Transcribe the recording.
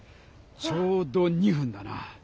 ちょうど２分だな。